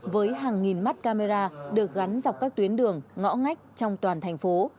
với hàng nghìn mắt camera được gắn dọc các tuyến đường ngõ ngách trong toàn thành phố